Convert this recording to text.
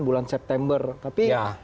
bulan september tapi